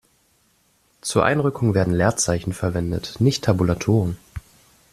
Zur Einrückung werden Leerzeichen verwendet, nicht Tabulatoren.